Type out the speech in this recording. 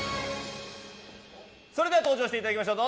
それでは登場していただきましょう。